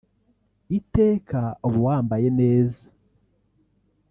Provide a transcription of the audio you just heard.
iteka uba wambaye neza